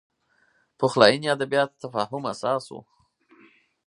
پخلاینې ادبیات تفاهم اساس و